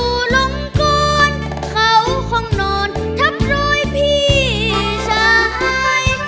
ดูหลงก้อนเขาห้องโน่นทับร้อยพี่ชาย